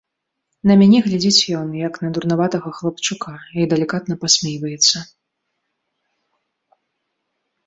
На мяне глядзіць ён, як на дурнаватага хлапчука, і далікатна пасмейваецца.